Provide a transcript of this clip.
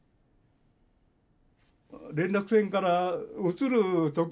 連絡船から移る時にね